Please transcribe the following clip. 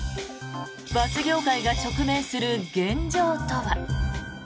バス業界が直面する現状とは。